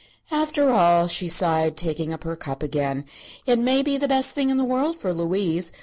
"After all," she sighed, taking up her cup again, "it may be the best thing in the world for Louise.